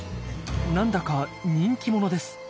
なんだか人気者です。